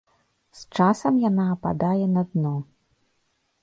З часам яна ападае на дно.